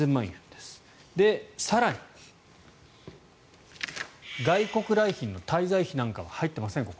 で、更に、外国来賓の滞在費なんかはここに入っていません。